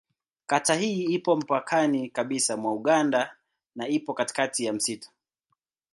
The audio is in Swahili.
Kata hii ipo mpakani kabisa mwa Uganda na ipo katikati ya msitu.